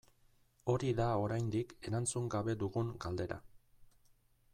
Hori da oraindik erantzun gabe dugun galdera.